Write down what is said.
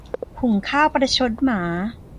หุงข้าวประชดหมา